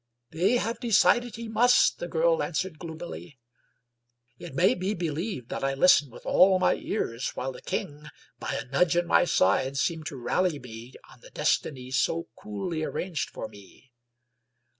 " They have decided he must," the girl answered gloom ily. It may be believed that I listened with all my ears, while the king by a nudge in my side seemed to rally me on the destiny so coolly arranged for me.